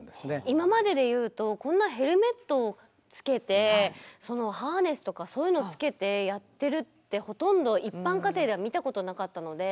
今までで言うとこんなヘルメットをつけてハーネスとかそういうのをつけてやってるってほとんど一般家庭では見たことなかったので。